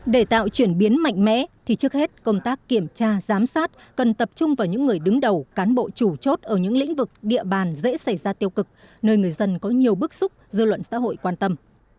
để tạo chuyển biến mạnh mẽ thì trước hết công tác kiểm tra giám sát cần tập trung vào những người đứng đầu cán bộ chủ chốt ở những lĩnh vực địa bàn dễ xảy ra tiêu cực nơi người dân có nhiều bức xúc dư luận xã hội quan tâm